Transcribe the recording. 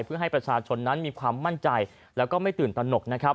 เพื่อให้ประชาชนนั้นมีความมั่นใจและไม่ตื่นตนก